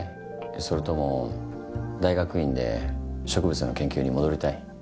それとも大学院で植物の研究に戻りたい？